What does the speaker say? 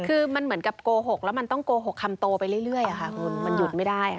คือมันเหมือนกับโกหกแล้วมันต้องโกหกคำโตไปเรื่อยค่ะคุณมันหยุดไม่ได้